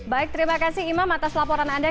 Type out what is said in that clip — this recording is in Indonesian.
baik terima kasih imam atas laporan anda